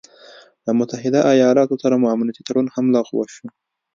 د متحده ايالاتو سره مو امنيتي تړون هم لغوه شو